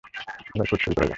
এবার খোঁজ শুরু করা যাক।